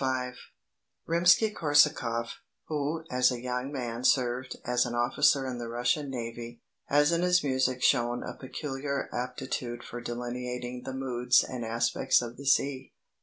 5 Rimsky Korsakoff, who as a young man served as an officer in the Russian navy, has in his music shown a peculiar aptitude for delineating the moods and aspects of the sea.